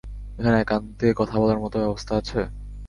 এখানে একান্তে কথা বলার মতো ব্যবস্থা আছে?